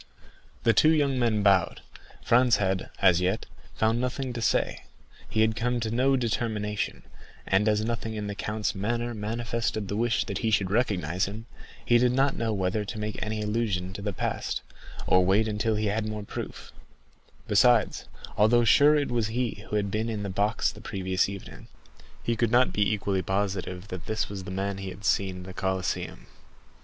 The two young men bowed. Franz had, as yet, found nothing to say; he had come to no determination, and as nothing in the count's manner manifested the wish that he should recognize him, he did not know whether to make any allusion to the past, or wait until he had more proof; besides, although sure it was he who had been in the box the previous evening, he could not be equally positive that this was the man he had seen at the Colosseum.